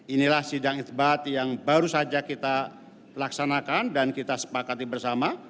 inilah sidang isbat yang baru saja kita laksanakan dan kita sepakati bersama